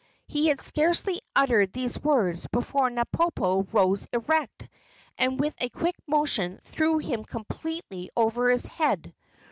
He had scarcely uttered these words before Napopo rose erect, and with a quick motion threw him completely over his head.